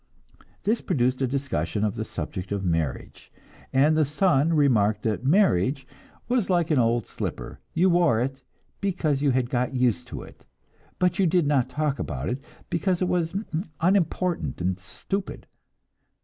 This produced a discussion of the subject of marriage, and the son remarked that marriage was like an old slipper; you wore it, because you had got used to it, but you did not talk about it, because it was unimportant and stupid.